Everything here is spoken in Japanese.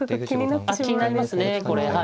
気になりますねこれ。